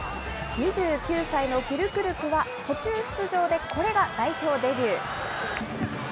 ２９歳のフュルクルクは、途中出場でこれが代表デビュー。